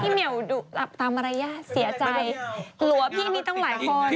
พี่เมียวดูตามมารยาทเสียใจ